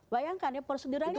bayangkan ya proseduralnya